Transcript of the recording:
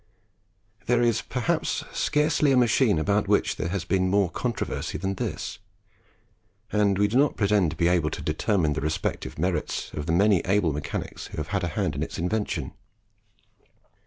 There is perhaps scarcely a machine about which there has been more controversy than this; and we do not pretend to be able to determine the respective merits of the many able mechanics who have had a hand in its invention.